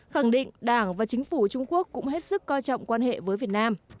khẳng định đảng và chính phủ trung quốc cũng hết sức coi trọng quan hệ với việt nam